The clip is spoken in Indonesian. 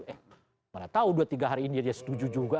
eh mana tahu dua tiga hari ini dia setuju juga